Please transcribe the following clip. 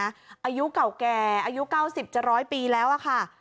อายุเก่าแก่อายุ๙๐จะ๑๐๐ปีแล้วค่ะ